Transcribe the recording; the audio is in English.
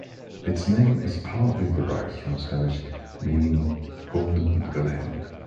Its name is partly derived from Spanish meaning "golden glen".